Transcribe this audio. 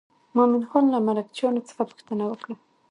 مومن خان له مرکچیانو څخه پوښتنه وکړه.